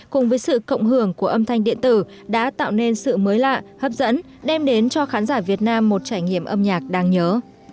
cùng với sự cộng hưởng của âm thanh điện tử đã tạo nên sự mới lạ hấp dẫn đem đến cho khán giả việt nam một trải nghiệm âm nhạc đáng nhớ